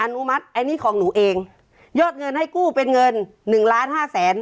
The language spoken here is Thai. อนุมัติอันนี้ของหนูเองยอดเงินให้กู้เป็นเงินหนึ่งล้านห้าแสน